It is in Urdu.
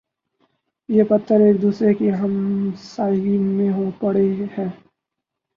یہ پتھر ایک دوسرے کی ہمسائیگی میں یوں پڑے ہیں